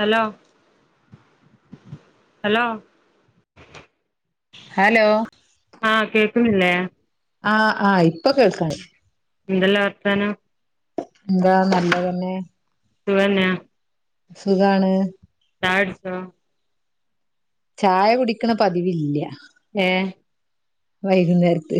Hello hello hello ആ കേൾക്കുന്നില്ലേ ആ ആയി എന്തെല്ലാ വർത്താനം എന്താ നല്ലത് തന്നെ സുഖന്നെ സുഖാണ്. ചായ കുടിച്ചോ? ചായ കുടിക്കണ പതിവില്യ. ഏഹ് വൈകുന്നേരത്ത്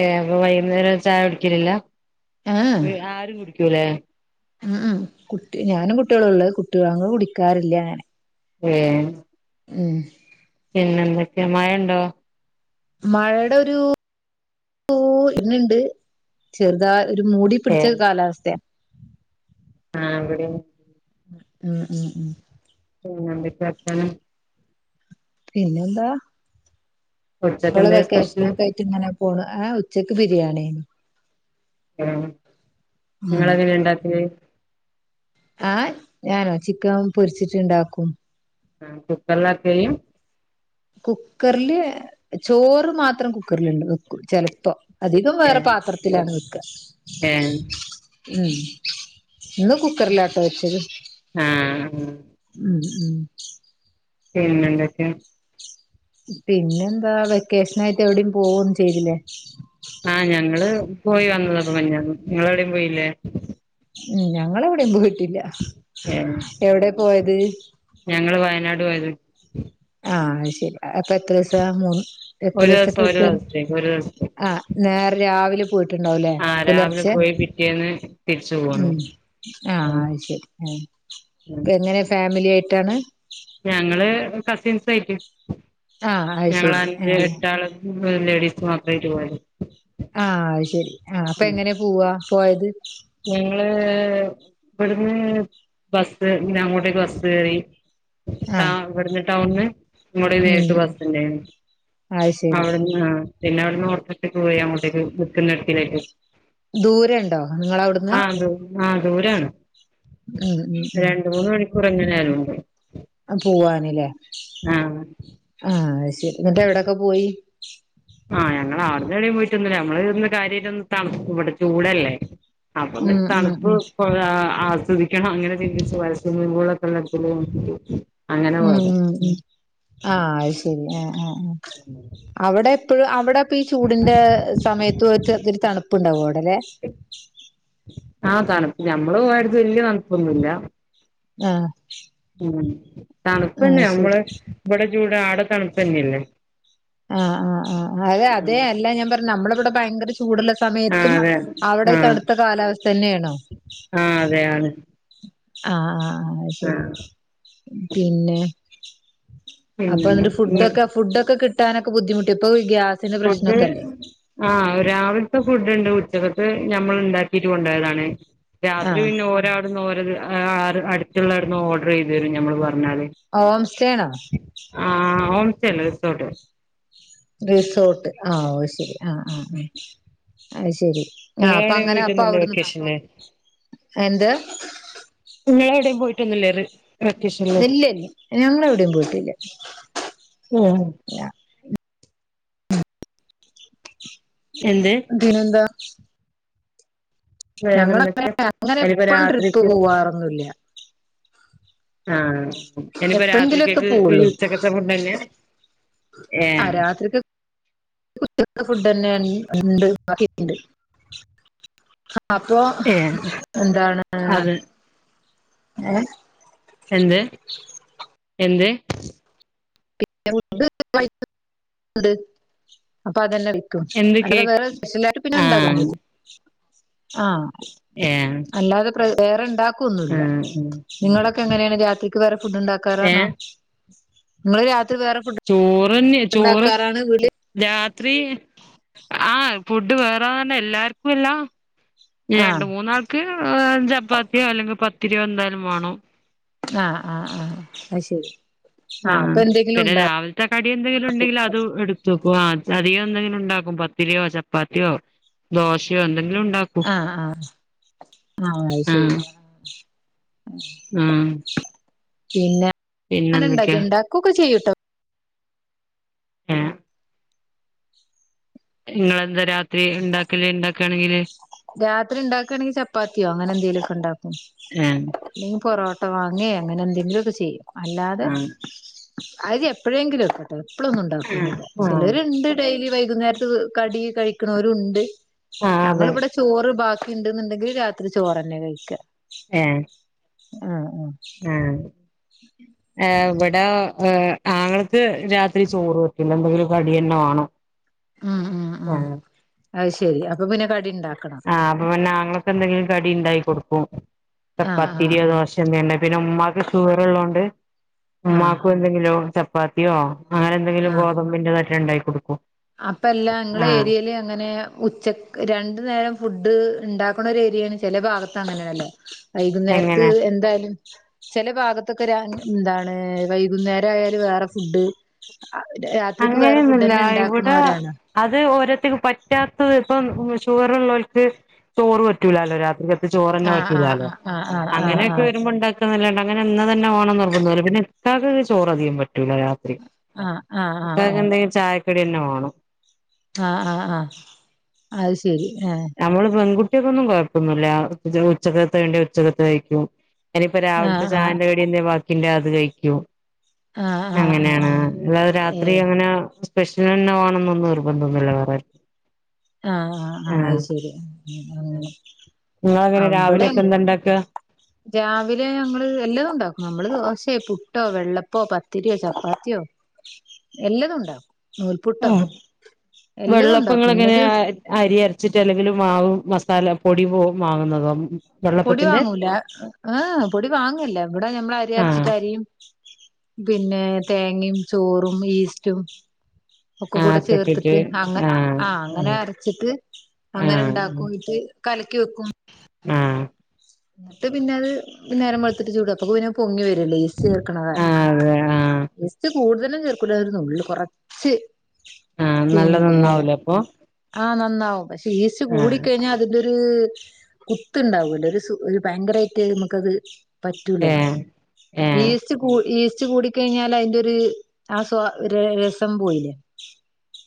ഏഹ് അപ്പോ വൈകുന്നേരം ചായ കുടിക്കലില്ല. ഏഹ് ആരും കുടി ക്കൂലേ? മ് മ് കുട്ടി ഞാനും കുട്യോളുള്ളെ കുട്ടികങ്ങള് കുടിക്കാറില്ല അങ്ങനെ. ഏ ഉം പിന്നെന്തൊക്കെ മഴയിണ്ടോ? മഴടൊരൂ ഊ വര്ണ് ണ്ട് ചെറുതായി ഒരു മൂടി പിടിച്ച ഏഹ് കാലാവസ്ഥയാ. ആഹ് ഇവ്ടെങ്ങ [unintelligible] മ് മ് മ് മ് പിന്നെന്ത്‌ട്ട വർത്താനം? പിന്നെന്താ? ഇപ്പള് ഉച്ചക്കെന്തേ സ്പെഷ്യല് വെക്കേഷനൊക്കെ ആയിട്ടിങ്ങനെ പോവ. ആഹ് ഉച്ചക്ക് ബിരിണിയായ്ന്നു. [unintelligible] ഇങ്ങളെങ്ങനെ ഇണ്ടാക്കല്? ആയ് ഞാനോ ചിക്കം പൊരിച്ചിട്ട്ണ്ടാക്കും. ആഹ് കുക്കർലാക്കയ്യ്? കുക്കർല് ചോറ് മാത്രം കുക്കർല് ണ്ട് വെക്കും ചെലപ്പോ. അധികം വേറെ ഏഹ് പാതർത്തിലാണ് വെക്കാ. ഏഹ് ഉം ഇന്ന് കുക്കറിലാട്ടൊ വെച്ചത്. ആഹ് ഉം. ഉം. പിന്നെന്തൊക്കെ? പിന്നെന്താ വെക്കേഷ്നായിട്ട് എവിടെ പോവൊന്നും ചെയ്തിലേ? ആഹ് ഞങ്ങള് പോയി വന്നതാ പൊ മെഞ്ഞാന്ന് ഇങ്ങളെവ്ടേം പോയിലേ? ഉം ഞങ്ങളെവ്ടീം പോയി ഏഹ് എവ്ടെ പോയത് ഞങ്ങള് വയനാട് പോയത് ആഹ് അയ്ശെരി അപ്പൊ എത്രോസാ മൂന്ന് ഒരു എത്രീസ്തെ ദിവസം ഒരു ട്രിപ്പെരുന്നു ദിവസത്തേക്ക് ഒരു ദിവസത്തേക്ക് ആഹ് നേരെ രാവിലെ പോയിട്ടുണ്ടാവും ലെ ആഹ് രാവിലെ പുലർച്ചെ പോയി പിറ്റേന്ന് തിരിച്ചു പോന്നു ഉം ആഹ് അയ്ശരി ആ ആഹ് പെങ്ങനെ ഫാമിലിയാ [unintelligible] കസിൻസുവായിറ്റ് ആഹ് അത് ഞങ്ങള് ശരി അഞ്ച് ആഹ് എട്ടാള് ഉം ലേഡീസ് മാത്രം വരോ [unintelligible] ആഹ് അ ശരി ആ അപ്പ എങ്ങനെ പോവാ. പോയത്. ഞങ്ങള് ഇവിടുന്ന് ബസ് പിന്നെ അങ്ങോട്ടേക്ക് ബസ് കേറി. ആ ആഹ് ഇവിടുന്ന്. ടൗൺന്ന്. ഇങ്ങോട്ട് ഉം നേരിട്ട് ഉം ബസുണ്ടായിരിന്നു അവിടന്ന് ആ പിന്നെവിടുന്ന് ഓട്ടോക്ക് ദുരെ ഉണ്ടോ നിങ്ങളവിടെക്ക്. ആഹ് ദുരാ ആഹ് ദൂരാണ് ഉം ഉം ആ രണ്ട് മൂന്ന് മണിക്കൂർ എങ്ങനാലും. അതെ അത് പോവാന്ല്ലേ ആഹ് ആഹ് ശ ശരി എന്നിട്ട് എവിടോക്കെ പോയി. ആ ഞങ്ങൾ അവിടന്ന് എടേ പോയിട്ടൊന്നുല്ല ഞമ്മള് കാര്യയിട്ട് ഒന്ന് തണുപ്പ്‌ ഇവിടെ ചൂടല്ലേ. അപ്പൊന്ന് ഉം ഉം തണുപ്പ്. ഉം [unintelligible] ചിന്തിക്കണം അങ്ങനെ ചിന്തിച്ചു വല്ല സിമ്മിങ്പുളോക്കെ ഉള്ളടത്തിലേ നോക്കി നോക്കി. ഉം ഉം ഉം ആ അ ശരി ആ ആഹ് അവിടെ എത്തി [unintelligible] അവിടെ ഇപ്പോ ഈ ചൂടിന്റെ സമയത്ത് പോയിട്ട് ഒത്തിരി തണുപ്പുണ്ടാവോ അവിടല്ലെ. ആഹ് തണുപ്പ് ഞമ്മള് പോയടുത്ത് വല്യയ തണു പ്പൊന്നുല്ല. ആഹ് ഉം തണുപ്പന്നെ ആഹ് ശരി നമ്മള് ഇവിടെ. ചൂട് ആടെ തണുപ്പ് തന്നെയല്ലേ. ആഹ് ആ ആഹ് അതെ അതെ അല്ല ഞാൻ പറഞ്ഞ് നമ്മള ഇബടെ ഭയങ്കര ചൂടുള്ള ആഹ് സമയത്തും അതെ അവടെ ആഹ് തണുത്ത കാലാവസ്ഥ തന്നേണോ? ആഹ് അതെയാണ് ആഹ് ആ. ആഹ് ശരി പിന്നേ അപ്പൊ ഇന്നിട്ട് ഫുഡ് പിന്നെ ഒക്കെ ഫുഡ് ഒക്കെ കി ട്ടാനൊക്കെ ബുദ്ധിമുട്ടിയോ ഇപ്പോ ഫുഡ്‌ ആഹ് രാവിലത്തെ ഫു ഡ്ണ്ട് ഉച്ചക്കത്തെ ഞമ്മളിണ്ടാക്കിട്ട് കൊണ്ടോയതാണ് രാത്രി ആഹ് പിന്നെ ഓരാടന്ന് ഓരത് ആ അറ് അടുത്തുള്ളായിരുന്നു ഓഡറ് ചെയ്തു തരും ഞമ്മള് പറ ഞ്ഞാല് ഹോം സ്റ്റേ ആണോ ആഹ്‌ ഓ സ്റ്റല്ല റിസോർട്ട് റിസോർട്ട് ആ ഓ ശരി ആഹ്‌ ആഹ്‌ ആ അയ് ശരി ആഹ്‌ നിങ്ങള് എവിടെയും അപ്പങ്ങനെ അപ്പ പോയിട്ടൊന്നുമില്ലേ അവിടുന്ന് വെക്കേഷനില് എന്ത് നിങ്ങളെവിടേം പോയിട്ടൊന്നുല്ലേ റ് ഇല്ല്യല്ല ഞങ്ങളെവിടെയും പോയിട്ടില്ല ആഹ് എന്ത് പിന്നെന്താ ഞങ്ങളങ്ങനെ വേറെന്തൊക്കെ അങ്ങനെ ഇനിപ്പോ എപ്പഴും ട്രിപ്പ് രാത്രിക്ക് പോവാറൊന്നൂല്ല ആഹ്‌ ഇനീപ്പോ എപ്പോഴെങ്കിലുംക്കെ രാത്രിക്കെക്ക് ഈ പോവുള്ളൂ ഉച്ചക്കത്തെ ഫുഡ്‌ തന്നെയാ ആഹ് രാത്രിക്ക്. [inaudible] തന്നെ ഉണ്ട് അവിടെ ഇരിപ്പുണ്ട്. അപ്പൊ ഏഹ് എന്താണ് അത് ഏഹ് എന്ത് എന്ത് [inaudible] അപ്പോ അതല്ലേ. ക്കും എന്ത് അതില് കേക്ക് വേറെ സ്പെഷ്യലായിട്ട് പിന്നെ ആഹ് ഉണ്ടാക്കുന്നില്ലേ. ആഹ് ഏഹ് അല്ലാതെ [inaudible] [inaudible] ഒന്നല്ല ആഹ് ഉം നിങ്ങളൊക്കെ എങ്ങനെയാണ് രാത്രിക്ക് വേറെ ഫുഡ് ഉണ്ടാക്കാറാണോ- ഏഹ് [inaudible] അ വേറെ ഫുഡ്- [inaudible] അങ്ങനെ തന്നെ ആ ചോറ് ഉണ്ടാക്കാറാണ് വീട്ടില് - ത്രീ ആഹ- ഫുഡ് വേറെന്നന്നെ എല്ലാർക്കുംല്ല രണ്ട ആഹ് മൂന്നാൾക്ക് ചപ്പാത്തിയോ അല്ലെങ്കിൽ പത്തി - ഇനി എന്തേലും വേണോ? [unintelligible] ആഹ ആഹ ആഹ അത് ശരി ആ ആഹ് അപ്പൊ എന്തെങ്കിലും പിന്നെ ഉണ്ടാവും രാവിലത്തെ കടി എന്തെങ്കിലും ഉണ്ടെങ്കിൽ അതു എടുത്തു വെക്കും ആ കറി ഒന്നും ഇല്ലെങ്കി - ഉണ്ടാകും പത്തിരിയോ ചപപ്പാ ത്തിയോ ദോശയോ എന്തെങ്കി- ആഹ ആഹ ആ അത് ശരി ആഹ് ആഹ് പിന്നെ- പിന്നെ എന്തൊക്കെയാ അങ്ങനണ്ടാക്കണ്ടാക്കൊക്കെ ചെയ്യൂും ത [unintelligible] നിങ്ങളന്തരാ ത്രി ഉണ്ടാകല്ഉണ്ടാ [inaudible] ക്കാണെങ്കില് [inaudible] രാത്രി ഉണ്ടാക്കാണെങ്കിൽ ചപ്പാത്തിയോ അങ്ങനെ എന്തെലുക്കെ ഉണ്ടാക്കും. ഏഹ് ഇല്ലെങ്കിൽ പൊറാട്ട വാങ്ങേ അങ്ങനെന്തങ്കിലുക്കെ ചെയ്യും. അല്ലാതെ- ആഹ് അരി എപ്പോഴെങ്കിലൊക്കെ- എപ്പള്ളൊന്നുണ്ടാക്കുന്നില്ല ചിലോ ആഹ് രുണ്ട് ഡെയിലി- വൈകുന്നേരത്ത് കടി കഴിക്ക്‌ ണോരുണ്ട് ആഹ അതെ ചോറ് ബാക്കിണ്ട്ന്നുണ്ടെങ്കിൽ രാത്രി ചോറ്ന്നെ കഴിക്ക്ക ഏ ആഹ ആ ആഹ -ഇവിടെ ഹ് ആങ്ങളക്ക്‌ രാത്രി ചോറ് പറ്റില്ല എന്തെങ്കിലും കടിയെന്നേവാണം ആ ആ ആ അത് ശരി അപ്പൊ പിന്നെ കടി ഉണ്ടാക്കണം. ആഹ് അപ്പൊ പിന്നെ ആങ്ങളക്ക് എന്തെങ്കിലും കടി ഉണ്ടാക്കി കൊടുക്കും. ആഹ് ആഹ് പാത്തിരിയോ ആഹ് ദോശയോ അല്ലെ പിന്നെ ഉമ്മക്ക് ഷുഗർ ഉള്ളതുകൊണ്ട് ആഹ് ഉമ്മാക്ക് എന്തെങ്കിലും. ചപ്പാത്തിയോ അങ്ങനെ എന്തെങ്കിലും ആഹ് ഗോതമ്പിന്റെതായിട്ട് ഉണ്ടാക്കി. കൊടുക്കും അപ്പ എല്ലാം ങ്ങള ആഹ് ഏരിയല് അങ്ങനെ ഉച്ചക്ക് രണ് നേരം ഫുഡ് ഇണ്ടാക്കണൊരു ഏരിയാണ് ചില ഭാഗത്താണ് ഇങ്ങനെ യാണല്ലോ വൈകുന്നേരത്ത് എങ്ങനെ എന്തായാലും ചില ഭാഗത്തൊക്കെ രാ എന്താണ് വൈകുന്നേരായാല് വേറെ ഫുഡ് അ രാത്രിക്ക് വേറെ ഫുഡന്നെ ഉണ്ടാ ഇവടെ അത് ഓരോത്തക്ക്പ്പം പറ്റാത്ത് പം ഷുഗറുള്ളോൾക്ക് ചോറ് പറ്റൂല്ലലോ രാത്രി ചോറന്നെ ആഹ് പറ്റൂലാ ലോ ആഹ് ആഹ് ആഹ് അങ്ങനെയൊക്കെ ആഹ് വരുമ്പോ ഇണ്ടാക്കാല്ലാണ്ട് ഇങ്ങനെ ഇന്ന്തെന്നെ വേണന്ന് നിർബന്ധല്ല പിന്നെ ഇത്താക്ക് ചോറധികം വ റ്റൂല രാത്രി ആഹ് ആഹ് ക്കക്കെന്തേലും ചായക്കടി ആ ന്നെ വേണം ആ ആ ആ അത് ശരി ആഹ് നമ്മള് പെൺകു ഉച്ചക്കൊന്നും കുഴപ്പൊന്നുല്ല ഉച്ചകൽത്തേണ്ടി ഉച്ചക്കത്തെ കഴിക്കും ഇനിയിപ്പ രാവിലത്തെ ആഹ് ചായേന്റെ കടിന്നെ ബാക് പിന്നെ അത് കഴിക്കും ആഹ് ആഹ് ആഹ് അങ്ങനെയാണ് ആഹ് ആഹ് അല്ലാതെ രാത്രി ഏഹ് അങ്ങനെ സ്പെഷ്ലെന്നെ വേണെന്നൊന്നും നിർബന്ധന്നുല്ല വേറാർ ആ ആ ആ അഹ് ശരി ഏ നിങ്ങളെങ്ങനെ അവടെൻ രാവിലെയൊക്കെ എന്താ ഉണ്ടാക്കുക രാവിലെ അങ്ങള് എല്ലതുംണ്ടാക്കും നമ്മള് ദോശ ഹേ പുട്ടോ വെള്ളപ്പോ പത്തിരിയോ ചപ്പാത്തിയോ എല്ലതും ഉണ്ടാക്കും നൂൽപുട്ടോ എല്ലതും ഉണ്ടാക്കും ഇന്നത് അ അരി അര്ച്ചിട്ട് അല്ലെങ്കിലും മാവ് മസ് തല പൊടിവോ വാങ്ങുന്നതോ? പൊടി വെള്ളപ്പത്തിന്റെ വാങ്ങൂല ഏഹ് പൊടി വാങ്ങുല്ല. ഇവടെ ഞമ്മള് അരി ആഹ് അരച്ചിട്ട് അരിയും പിന്നെ തേങ്ങിമ് ചോറും ഈസ്റ്റും ഒക്കെ ആഹ് കൂടെ കെട്ടിട്ട് ചേർത്തിട്ട് അങ്ങ ആഹ് ആ അങ്ങനെ ഉം അരച്ചിട്ട് അങ്ങനെ ആഹ് ഉണ്ടാക്കു ഉം ഇറ്റ് കലക്കി വെക്കും ആഹ് ന്നിട്ട് പിന്നെ അത് നേരം വെള്ത്തിട്ട് ചുടും. അപ്പൊ പൂനൊ പൊങ്ങി വ ലെസ്ചേർക്കണത ആഹ് അതെ ആഹ് ഈസ്റ്റ്‌ കൂടുതലും ചേർക്കൂല രു നുള്ള് കൊറച്ച് ആ നല്ലനന്നാവൂലേ അപ്പൊ ആഹ് നന്നാവും പക്ഷെ ഈസ്റ്റ് കൂടി ആഹ് കഴിഞ്ഞാ അതിന്റെ ഒ ര് കുത്ത് ഉണ്ടാവൂല ഒരു സു ഒരു ഭയങ്കരായിട്ട് നമുക്കത് പറ്റൂലല്ലോ ഏഹ് ഏഹ് ഈസ്റ്റ് കൂ ഈസ് സ്റ്റ്‌ കൂടി കഴിഞ്ഞാ അതിന്റെ ഒരു ആ സ്വ രസം പോയില്ലേ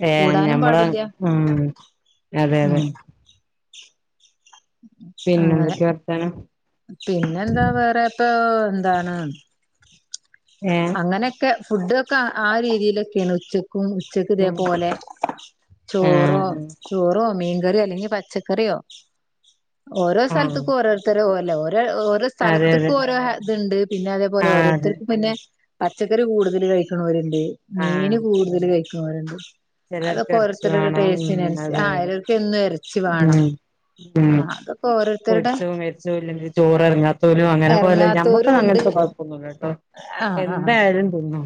ഏ കൂടാനും ഞമ്മള് പാടില്ല ഉം അതെ അതെ ഉം പിന്നെ അങ്ങനെ എന്തൊക്കെ വർത്താനം പിന്നെന്താ വേറെപ്പൊ എന്താണ് ഏഹ് അങ്ങനെക്കെ ഫുഡൊക്കെ ആ രീതിയിലൊക്കെണുച്ച- ഉച്ചക്ക് ഇതേ ഉം പോലെ ചോറോ ആഹ് ചോറോ മീൻ കറിയല്ലെങ്കി പച്ചക്കറിയോ ഓരോ ആഹ് സ്ഥലത്തിക്ക് ഓരോർത്തരോ [unintelligible] ഓ ഓരോ അതെ അതെ സ്ഥലത്തിക്കും ഓരോ ഇത്ണ്ട് പിന്നെ അതേപോലെ ആഹ് അതെ ഓരോരുത്തർ പച്ചക്കറി കൂടുതല് കഴിക്കണോരി ണ്ട് ആഹ് മീന് കൂടുതല് കഴി ക്കണോരിണ്ട് ചിലർക്ക് അതൊക്കെ ഇറച്ചി ഓരോരുത്തരുടെ വേണം ടേസ്റ്റിന് ഉം അനുസ അതെ ആഹ് അതെ ചെലർക്ക് എന്നും എറച്ചി വേണം ഉം ഉം ആ അതൊക്കെ ഓരോർ പൊരിച്ചതും കരിച്ചതും ഇല്ലെങ്കി ചോറെറങ്ങാ പോലും അങ്ങനെ പോലെ ഞമക്ക് ഇറങ്ങാത്തവരും ഉണ്ട് അങ്ങനത്തെ കൊഴപ്പൊന്നുല്ലട്ടോ ആ ആ എന്തായാലും തി ഉം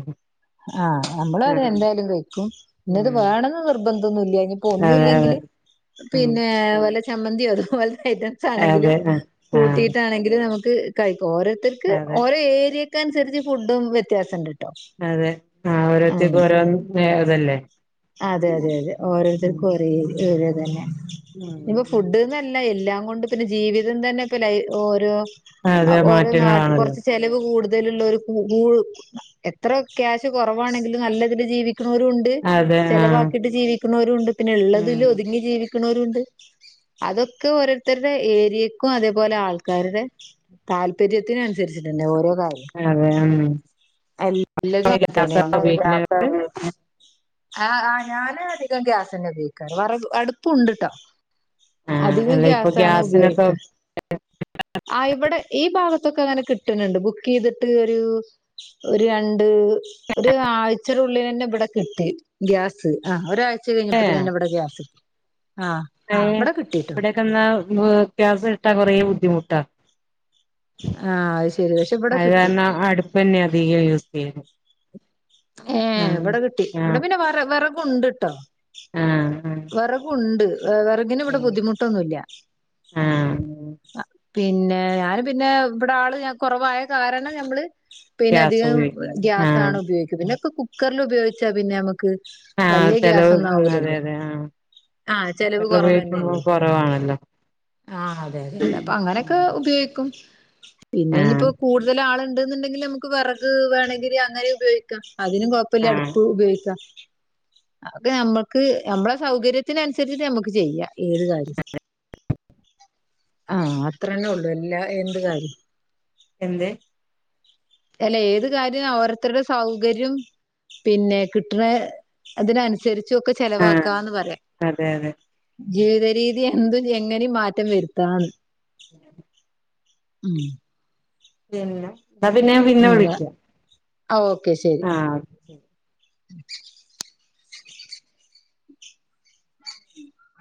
ആഹ് നമ്മളത് എന്തായാലും കയിക്കും പിന്നെത് ഉം വേണന്ന് നിർബ ഒന്നുല്യ ഇനിപ്പോ ഒന്നു അതെ അതെ ഇല്ലെങ്കില് ഉം പിന്നെ വെല്ല ചമ്മന്തി അത് പോ ഐറ്റംസ് ആണെങ്കിലും അതെ ആ ആഹ് കൂട്ടിയിട്ടാണെങ്കിലും നമുക്ക്- ഇത്‌ ക [unintelligible] ഓരോത്തർക്ക് അതെ ഓരോ ഏരിയ- ഒ [unintelligible] അനുസരിച്ച് ഫുഡും വ്യത്യാസം ഉണ്ട് അതെ ആഹ് ഓരോത്തക്ക് ഓരോ- അതല്ലേ അതെ അതെ അതെ ഓരോത്തർക്കു ഓരോ [unintelligible] അതു തന്നെ ഉം ഇനി ഉം ഫുഡ് ന്ന് അല്ല എല്ലാം അതുകൊണ്ട് പിന്നെ ജീവിതം തന്നെ [unintelligible] ഓരോ- അതെ ഓരോ നാട് മാറ്റങ്ങളാണല്ലോ കുറച്ച് ചെലവ് കൂടു ഇതിലുള്ള ഒരു [unintelligible] എത്ര - ക്യാഷ് കുറവാണെങ്കിലും നല്ല - ജീവി - ക്കുന്നവരും ഉണ്ട് അതെ ആഹ് ചെലവാക്കിട്ട് ജീവിക്കുന്നവരുണ്ട് പിന്നെ ഇള്ളതില് ഉം ഒതുങ്ങി ജീവി ക്ക്ണോര്ണ്ട് അതൊക്കെ ഓരോര്ത്തരുടെ ഏരിയക്കും അതേപോലെ ആൾക്കാരുടെ താല്പര്യത്തിനന്സരിച്ചിട്ട്ണ്ട് ഓരോ കാര്യം അതെ ഉം എല്ലതു അങ്ങത്തന്നെ ഗ്യാസാ ഉപയോഗിക്കല് ഇങ്ങള് [unintelligible] ആ ആ ഞാന് അധികം ഗ്യാസന്നെ ഉപയോഗിക്കാറ് വെറക് അടുപ്പുണ്ട്ട്ടോ ആഹ് അധികം അല്ല ഇപ്പൊ ഗ്യാസാണ് ഗ്യാസിനൊക്കെ ഉപയോഗിക്ക ആ ഇവിടെ ഈ ഭാഗത്തൊക്കങ്ങനെ കിട്ട്ണണ്ട് ബുക്കയ്തിട്ട് ഒരു ഒരു രണ്ട് ഒരു ആഴ്ച്ചടെ ഉള്ളിലന്നെ ഇവിടെ കിട്ടി ഗ്യാസ് ആഹ് ഒരാഴ് ച്ച ഏഹ് കഴിഞ്ഞപ്പതിനന്നെ ഇവിടെ ഗ്യാസ് ആ [unintelligible] ഇവിടെ കിട്ടിട്ടോ ഇവിടെക്കെന്നാ [unintelligible] കിട്ടാ കൊറേ ബുദ്ധിമു ട്ടാ ആ അത് ശരി പക്ഷെ ഇവിടെ അത് കിട്ടി കാരണം അടുപ്പന്നെ അധികം യൂസ് ചെയ്യുന്നു ഏ ഇവിടെ കിട്ടി ഇവിടെ പിന്നെ വറ വെറെ ഉണ്ട്ട്ടോ ആ വെറകുണ്ട്. വെ വെറകിന് ഇവിടെ ആഹ് ബുദ്ധിമുട്ടൊന്നുല്ല ആഹ് അ പിന്നെ ഞാനും പിന്നെ ഇവടെ ആള് ഞാ കൊറവായ കാരണം നമ്മള് പിന്നെ ഗ്യാസ് അധികം ഉപയോഗിക്കുന്നു ആഹ് ഗ്യാസാണ് ഉപയോഗിക്ക്ന്നെ പിന്നെ ക്ക‌ കുക്കറ്ല് ഉപയോഗിച്ചാ പിന്നെ നമ്മക്ക് ആഹ് ചെലവും മ് അതെ അതെ ആഹ് ആഹ് ചെലവ് കുക്കറിൽ ഉപയോഗിക്കുമ്പോ കുറവ്ന്നല്ലേ കൊറവാണല്ലോ ആഹ് അതെ അതെ അപ്പ അങ്ങനൊക്കെ ഉപയോഗിക്കും. പിന്നെ ആഹ് ഇനിയിപ്പോ കൂടുതല് ആള്ണ്ട് ന്ന്ണ്ടെങ്കിൽ നമുക്ക് വെറക് വേണേങ്കില് അങ്ങനെ ഉപയോഗിക്കാം. അതിനും കൊയപ്പില്ല ആഹ് അടുപ്പ് ഉപയോഗിക്കാ. [unintelligible] ഞമ്മക്ക് ഞമ്മള് സൗകര്യത്തിന് അനുസരിച്ചിട്ട് നമ്മുക്ക് ചെയ്യാം ഏത് കാര്യവും ആഹ് അത്ര തന്നെ ഉള്ളു ഏല്ലാ എന്ത് കാര്യവും. എന്ത്? എല്ല ഏത് കാര്യം അവ് ഓരോരുത്തരുടെ സൗകര്യം പിന്നെ കിട്ടണ അതിനനുസരി ച്ചൊക്കെ ചെലവാ ആഹ് അതെ അതെ. ജീവിതരീതി എന്തും എങ്ങനെ മാറ്റം വരുത്താന്ന്. [unintelligible] ഉം പിന്നെ എന്നാ പിന്നെ ഞാൻ പിന്നെ വിളിക്കാ. ആഹ് ഓക്കെ ശെരി.